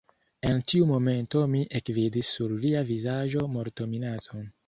En tiu momento mi ekvidis sur lia vizaĝo mortominacon.